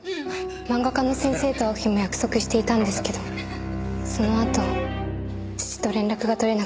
漫画家の先生と会う日も約束していたんですけどそのあと父と連絡が取れなくなって。